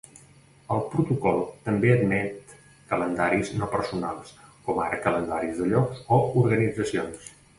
El protocol també admet calendaris no personals, com ara calendaris de llocs o organitzacions.